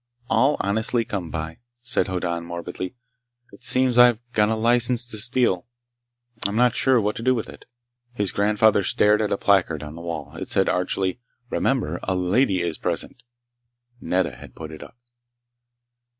"All honestly come by," said Hoddan morbidly. "It seems I've got a license to steal. I'm not sure what to do with it." His grandfather stared at a placard on the wall. It said archly: "Remember! A Lady is Present!" Nedda had put it up.